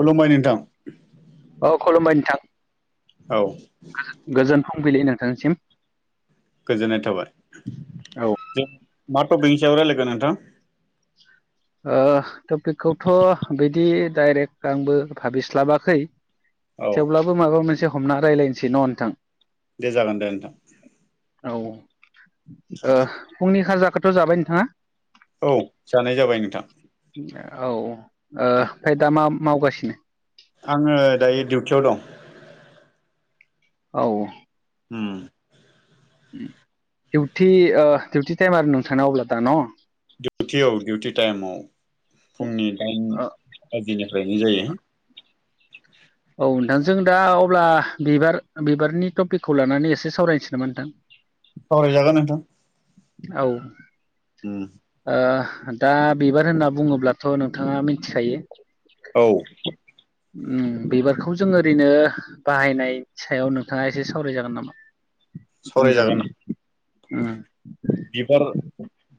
खुलुमबाय नोंथां। औ खुलुमबाय नोंथां। औ गोजोन फुंबिलि नोंथांनिसिम। गोजोननाय थाबाय जों मा टपिकनि सायाव रायलायगोन नोंथां? [inaudible] ओ टपिकखौथ' बिदि डाइरेक्ट आंबो भाबिस्लाबाखै औ थेवब्लाबो माबा मोनसे हमना रायजलायनोसै न' नोंथां। दे जागोन दे नोंथां। औ ओ फुंनि खाजाखौथ' जाबाय नोंथाङा? औ जानाय जाबाय नोंथां। औ ओ ओमफ्राय दा मा मावगासिनो? आङो दायो डिउटियाव दं। औ उम। दिउटि ओ दिउटि टाइम आरो नोंथां ना अब्ला दा न। दिउटियाव दिडिउटि टाइमाव फुंनि दाइन बाजिनि फ्रायनो जायो। औ नोंथां जों दा अब्ला बिबार बिबारनि टपिकखौ लानानै एसे सावरायनोसै नामा नोंथां। सावरायजागोन नोंथां औ उम ओ दा बिबार होनना बुङोब्लाथ' नोंथाङा मिथिखायो। औ ओम बिबारखौ जों ओरैनो बाहायनाय सायाव नोंथाङा एसे सावरायजागोन नामा। बुंजागोन सावरायजागोन नामा ओम। बिबार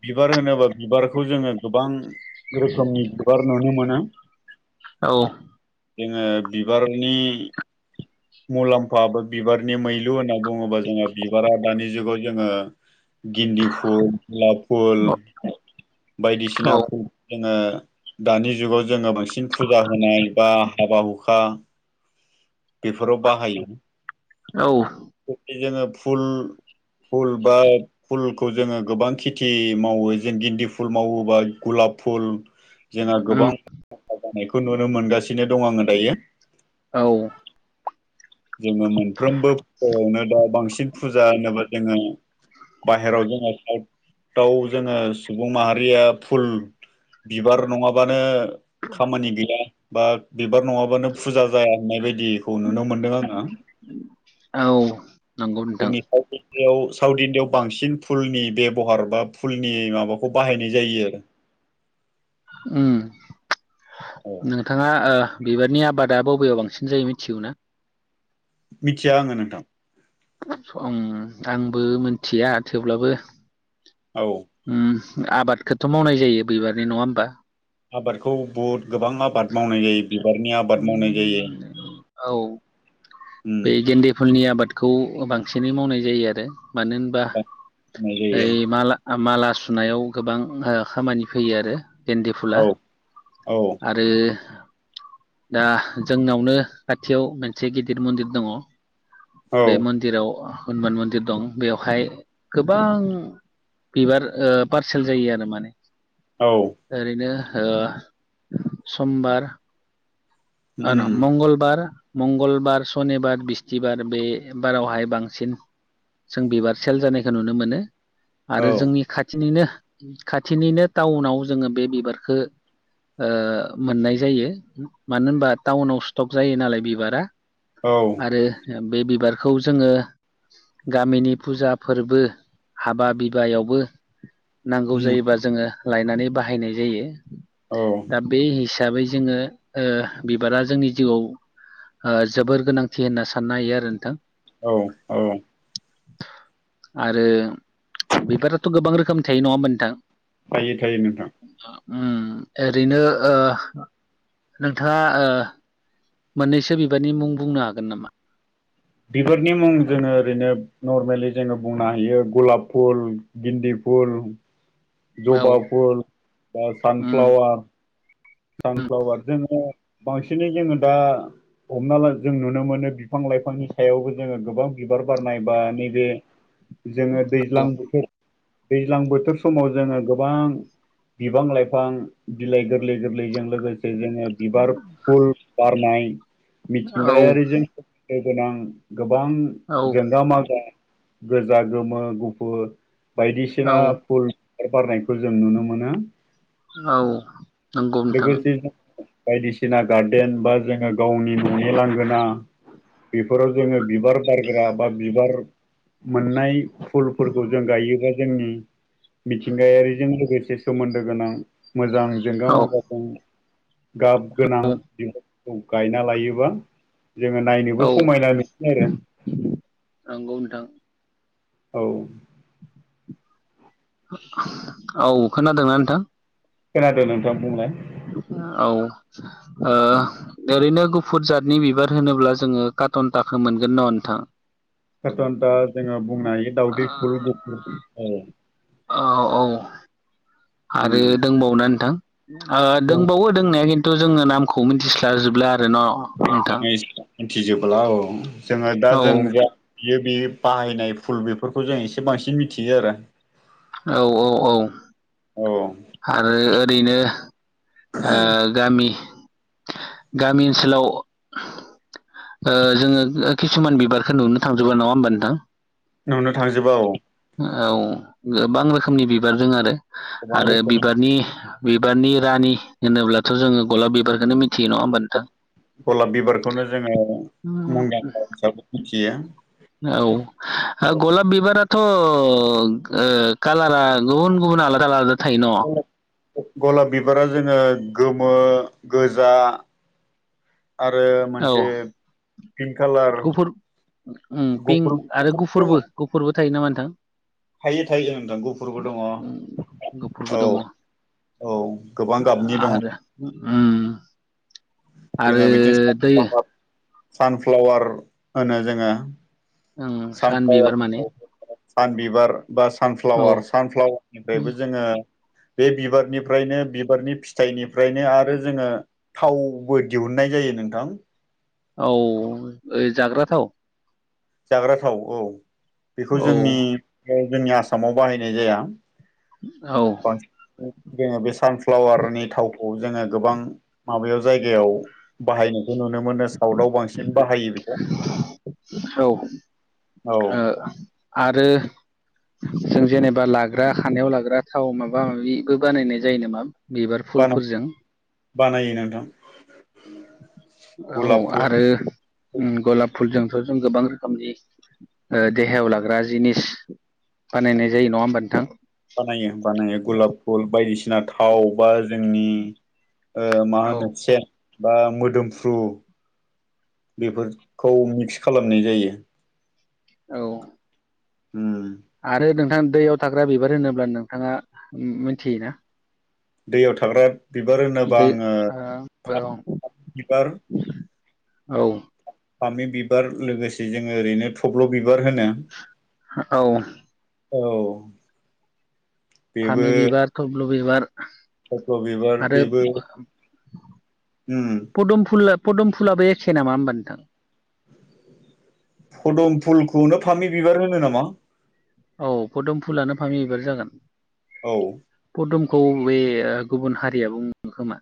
बिबार होनोबा बिबारखौ जोङो गोबां रोखोमनि बिबार नुनो मोनो। औ जोङो बिबारनि मुलाम्फा बा बिबारनि मैलु होनना बुङोबा जोङो बिबारा दानि जुगाव जोङो गिन्दि फुल गुलाब फुल औ बायदिसिना फुल जोङो दानि जुगाव जोङो बांसिन फुजा होनाय बा हाबा हुखा। [unintelligible] बेफोराव बाहायो औ जोङो फुल फुल बा फुलखौ जोङो गोबां खेथि मावो जों गिन्दि फुल मावोबा गुलाब फुल जोंहा गोबां उम जानायखौ नुनो मोनगासिनो दं आङो दायो। औ जोङो मोनफ्रोमबो फुजायावनो दा बांसिन फुजा होनोबा जोङो बाहेरायाव जोङो सउटआव जोङो सुबुं माहारिया फुल बिबार नङाबानो खामानि गैया बा बिबार नङाबानो फुजा जाया होननाय बायदिखौ नुनो मोन। औ। नंगौ नोंथां जोंनि साउट बेयाव साउथ इण्डियाआव बांसिन फुलनि बेब'हार बा फुलनि माबाखौ बाहायनाय जायो आरो। उम औ नोंथाङा ओ बिबारनि आबादा बबेयाव बांसिन जायो मिथिगौ ना? मिथिया आङो नोंथां। आंबो मिथिया थेवब्लाबो औ उम आबादखौथ' मावनाय जायो बिबारनि नङा होमबा? आबादखौ बुहुद गोबां आबाद मावनाय जायो बि बोथोरनि आबाद मावनाय जायो। उम उम बै गेन्दे फुलनि आबादखौ बांसिनै मावनाय जायो आरो। मानो होनबा मावनाय जायो ओइ माला माला सुनायाव गोबां ओ खामानि फैयो आरो। गेन्दे फुला, औ औ आरो दा जोंनावनो खाथियाव मोनसे गिदिर मन्दिर दङ। औ बे मन्दिराव हनुमान मन्दिर दं बेवहाय गोबां बिबार ओ पारसेल जायो आरो माने। औ ओरैनो ओ समबार ओ न उम मंगलबार मंगलबार, सनिबार, बिस्थिबार, बे बारावहाय बांसिन जों बिबार सेल जानायखौ नुनो मोनो, औ आरो जोंनि खाथिनिनो खाथिनिनो टाउनाव जोङो बे बिबारखो ओ मोननाय जायो। मानो होनबा टाउनाव स्ट'क जायो नालाय बिबारा औ आरो बे बिबारखौ जोङो गामिनि फुजा फोरबो हाबा बिबायावबो नांगौ उम जायोबा जोङो लायनानै बाहायनाय जायो। औ दा बे हि हिसाबै जोङो ओ बिबारा जोंनि जिउआव ओ जोबोर गोनांथि होनना साननो हायो आरो नोंथां। औ औ। आरो बिबाराथ' गोबां रोखोमनि थायो नङा होनबा नोंथां? थायो थायो नोंथां। ओम ओरैनो ओ नोंथाङा ओ मोननैसो बिबारनि मुं बुंनो हागोन नामा? बिबारनि मुं जोङो ओरैनो नर्मेलि जोङो बुंनो हायो गलाब फुल, गेन्दि फुल, औ जबा फुल बा उम सानफ्लावार सानफ्लावार जोङो बांसिनै जोङो दा हमना ला जों नुनो मोनो बिफां-लाइफांनि सायावबो जोङो गोबां बिबार बारनाय बा नैबे जोङो दैज्लां बोथोर दैज्लां बोथोर समाव जोङो गोबां बिफां-लाइफां बिलाइ गोरलै गोर लै जों लोगोसे जोङो बिबार फुल बारनाय औ मिथिंगायारिजों दो गोनां गोबां औ औ जोंगा मागा गोजा गोमो गुफुर औ बायदिसिना फुल बिबार बारनायखौ जों नुनो मोनो। औ। नंगौ नोंथां लोगोसे जों बायदिसिना गार्देन बा जोङो गावनि न'नि लांगोना बेफोराव जोङो बिबार बारग्रा बा बिबार मोननाय फुलफोरखौ जों गायोबा जोंनि मिथिंगायारिजों लोगोसे सोमोन्दो गोनां मोजां जोंगा औ मागा गो गाब गोनां औ बिबारफोरखौ गायना लायोबा जोङो नायनोबो औ समायना मोनसै आरो। नंगौ नोंथां औ। औ खोनादोंना नोंथां। खोनादों नोंथां। बुंलाय औ ओ ओरैनो फुटजादनि बिबार होनोब्ला जोङो काटनटाखौ मोनगोन न' नोंथां। काटनटा जोङो बुंनो हायो दावदै फुल गुफुर औ। औ औ आरो उम दंबावोना नोंथां। ओ जोङो दोंबावो दोंनाया खिन्थु जोङो नामखौ मिथिस्लाजोबब्ला न नोंथां। थिजोबला औ जोङो दा औ जों बियो बे बाहायनाय फुल बेफोरखौ जों एसे बांसिन मिथियो आरो। औ औ औ औ आरो ओरैनो ओ गामि गामि ओनसोलाव ओ जोङो किसुमान बिबारखो नुनो थांजोबा नङा होमबा नोंथां। नुनो थांजोबा औ। औ गोबां रोखोमनि बिबार दों आरो गोबां आरो रोखोमनि बिबारनि बिबारनि रानि होनोब्लाथ' जोङो गलाब बिबारखोनो मिथियो नङा होमबा नोंथां। गलाब बिबारखौनो जोङो मुंदांखा हिसाबै मिथियो। औ ओ गलाब बिबाराथ' ओ कालारा गुबुन गुबुन। आलादा आलादा थायो न। गलाब बिबारा जोङो गोमो गोजा। आरो औ मोनसे पिंक कालार। गुफुर उम गुफुर पिंक आरो गुफुर गुफुरबो दङ गुफुरबो थायो नामा नोंथां। थायो थायो जों नोंथां गुफुरबो दङ गुफुरबो औ। दङ औ गोबां गाबनि दङ। आरो उम आरो जोङो दो बिथिं सानफ्लावार होनो जोङो उम सान बिबार सानफ्लावारनि माने सान बिबार बा औ सानफ्लावार सानफ्लावारनिफ्रायबो जोङो बे बिबारनिफ्रायनो बिबारनि फिथाइनिफ्रायनो आरो जोङो थावबो दिहुननाय जायो नोंथां। औ ओ जाग्रा थाव। जाग्रा थाव औ बेखौ औ जोंनि जोंनि आसामाव बाहायनाय जाया। औ बांसिन जोङो बे सानफ्लावारनि थाव खौ जोङो गोबां माबायाव जायगायाव बाहायनायखौ नुनो मोनो साउदाव बांसिन। बाहायो बेखौ औ ओ औ आरो जों जेनेबा लाग्रा खानायाव लाग्रा थाव माबा माबिबो बानायनाय जायो नामा। बिबार फुलफोरजों। बानायो नोंथां औ गलाब फुल आरो उम गलाब फुलजोंथ' जों गोबां रोखोमनि। ओ देहायाव लाग्रा जिनिस बानायनाय जायो नङा होमबा नोंथां। बानायो बानायो गुलाब फुल बायदिसिना थाव बा जोंनि ओ मा औ होनो सेन बा मोदोमफ्रु बेफोरखौ मिक्स खालामनाय जायो। औ। उम आरो नोंथां दैयाव थाग्रा बिबार होनोब्ला नोंथाङा मिथियोना दैयाव थाग्रा बिबार होनोबा दै आङो ओ [inaudible] बिबार औ। फामि बिबार लोगोसे जोङो ओरैनो थब्ल' बिबार होनो। औ औ। बेबो फामि बिबार थबल' बिबार। थब्ल' बिबार आरो बेबो उम पदम फुलाब पदुम फुलाबो एखे नामा होमबा नोंथां फदुम फुलखौनो फामि बिबार होनो नामा औ पदुम फुलानो फामि बिबार जागोन औ पदुमखौ बे गुबुन हारिया बुङो खोमा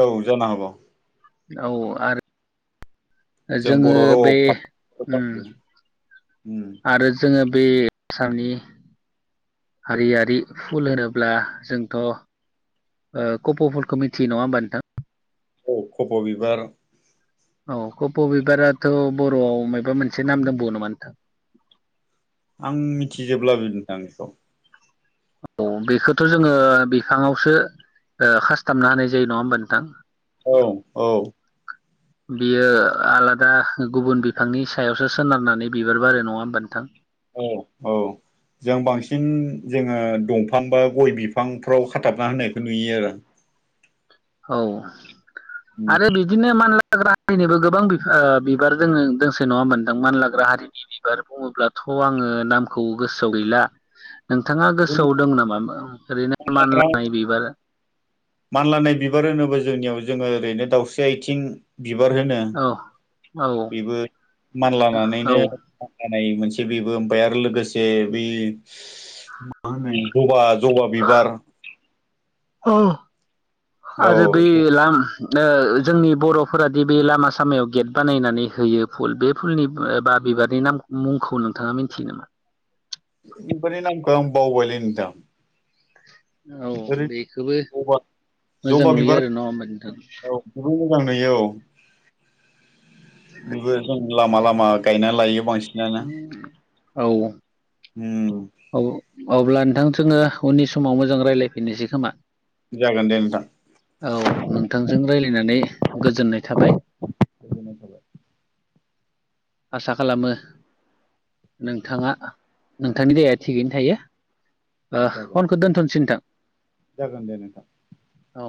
औ जानो हागौ औ आरो जों जोङो बर' रावाव बे फामि बिबार होनो। उम आरो जोङो बे आसामनि हारियारि फुल होनोब्ला जोंथ' कप'लफोरखौ मिथियो नङा होमबा नोंथां औ खपबिबार औ कप' बिबाराथ' बर'आव माबबा मोनसे नाम दंबावो नामा नोंथां आं मिथिजोबब्लाबो नोंथां बेखौ औ बेखौथ' जोङो बिफाङावसो खासथाबनो होनाय जायो नङा होमबा नोंथां औ औ [inaudible] बियो आलादा गुबुन बिफांनि सायावसो सोनारनानै बिबार बारो नङा होमबा नोंथां औ औ जों बांसिन जोङो दंफां बा गय बिफांफ्राव खाथाबना होनायखौ नुयो आरो औ आरो बिदिनो मान हारिनिबो गोबां बिबार जोङो दोंसे नङा मोनदों मानलाग्रा हारिनि बिबार बुङोब्लाथ' थ आङो नामखौ गोसोआव गैला नोंथाङा गोसोआव दं नामा ओरैनो मानलानाय बिबार मानलानाय बिबार होनोब्ला जोंनियाव जोङो ओरैनो दावउस्रि आथिं बिबार होनो औ औ बेबो औ मानलानानैनो नाय मोनसे बेबो ओमफ्राय आरो लोगोसे ब मा होनो जबा जबा बिबार औ औ आदि बे लां जोंनि बर'फोरादि बे लामा सामायाव गेट बानायनानै होयो फुल बे फुलनि बा बिबारनि नाम मुंखौ नोंथाङा मिथियो नामा बिबारनि नामखौ बावबायलै नोंथां औ ओरै बेखौबो जबा मोजां जबा नुयो बिबार आरो नङा होमबा नोंथां औ गोबां मोजां नुयो बेबो जों लामा लामा गायनानै लायो बांसिन औ उम अब्ला नोंथां जोङो उननि समाव मोजां रायज्लायफिननोसै खोमा जागोन दे नोंथां औ नोंथांजों रायज्लायनानै गोजोननाय थाबाय गोजोननाय थाबाय। आसा खालामो नोंथाङा नोंथांनि देहाया थिगैनो थायो जागोन फनखौ दोन्थ'नोसै नोंथां जागोन दे नोंथां औ